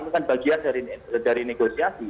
itu kan bagian dari negosiasi